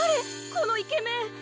このイケメン。